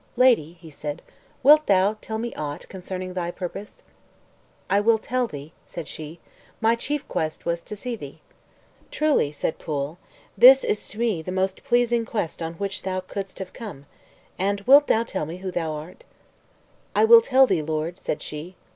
"Lady," he said, "wilt thou tell me aught concerning thy purpose?" "I will tell thee," said she; "my chief quest was to see thee." "Truly," said Pwyll, "this is to me the most pleasing quest on which thou couldst have come; and wilt thou tell me who thou art?" "I will tell thee, lord," said she.